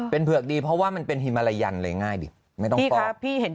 เป็นเผือกดีเพราะว่ามันเป็นฮิมาไรยันต์เลย